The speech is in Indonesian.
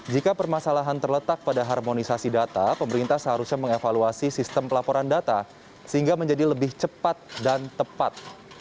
jika permasalahan terletak pada harmonisasi data pemerintah seharusnya mengevaluasi sistem pelaporan data sehingga menjadi lebih cepat dan tepat